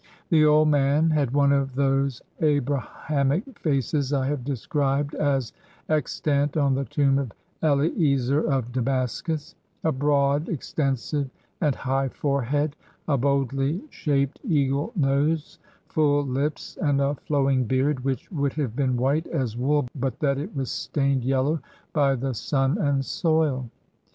,■ The old man had one of those Abrahamic faces I have described as extant on the tomb of EHezer of Damascus : a broad, extensive, and high forehead; a boldly shaped eagle nose; full lips; and a flowing beard, which would have been white as wool but that it was stained yellow by the sun and soil.